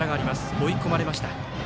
追い込まれました。